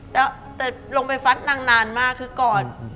แต่ลงไปฟันนานมากคือก็